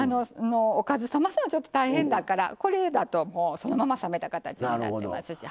おかず冷ますのちょっと大変だからこれだともうそのまま冷めた形になってますし。